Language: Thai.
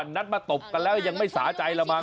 นัดมาตบกันแล้วยังไม่สาใจละมั